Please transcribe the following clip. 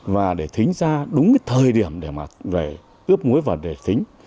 và để thính ra đúng cái thời điểm để mà ướp muối vào để thính